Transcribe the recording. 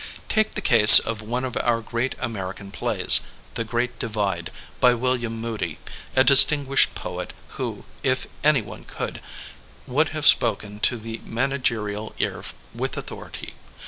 Take the case of one of our great American plays. The Great Divide, by William Moody, a dis tinguished poet who, if anyone could, would have spoken to the managerial ear with authority.